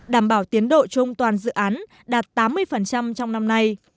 đảm bảo tiến độ trung toàn dự án đạt tám mươi trong năm nay